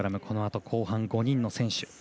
このあと、後半５人の選手。